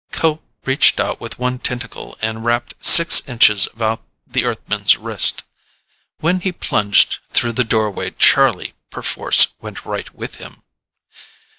Kho reached out with one tentacle and wrapped six inches about the Earthman's wrist. When he plunged through the doorway, Charlie perforce went right with him.